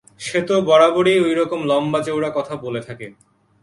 সে তো বরাবরই ঐরকম লম্বাচৌড়া কথা বলে থাকে।